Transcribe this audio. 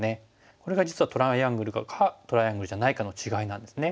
これが実はトライアングルかトライアングルじゃないかの違いなんですね。